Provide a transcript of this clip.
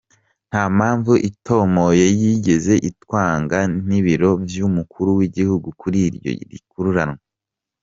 Nta mpamvu itomoye yigeze itwanga n'ibiro vy'umukuru w'igihugu kuri iryo yirukanwa.